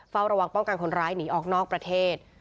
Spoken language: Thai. เฝ้าระวังป้องกันคนร้ายหนีออกนอกประเทศ